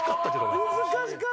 難しかった！